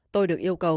tôi được yêu cầu